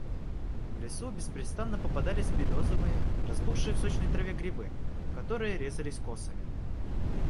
В лесу беспрестанно попадались березовые, разбухшие в сочной траве грибы, которые резались косами.